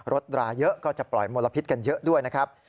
ราเยอะก็จะปล่อยมลพิษกันเยอะด้วยนะครับ